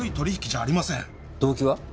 動機は？